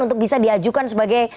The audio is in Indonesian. untuk bisa diajukan sebagai